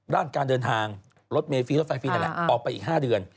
ด้านการเดินทางรถเมฟรีรถไฟฟรีนั่นแหละออกไปอีก๕เดือน